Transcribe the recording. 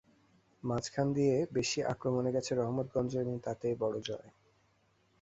মাঝখান দিয়েই বেশি আক্রমণে গেছে রহমতগঞ্জ এবং তাতেই বড় জয়।